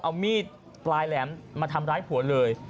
เอามีดปลายแหลมมาทำร้ายผัวเลย